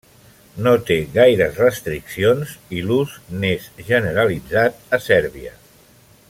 No té gaires restriccions, i l'ús n'és generalitzat a Sèrbia.